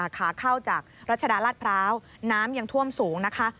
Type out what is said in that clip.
ขาเข้าจากรัชดาราชพร้าวน้ำยังท่วมสูงนะคะ